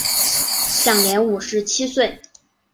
享年五十七岁。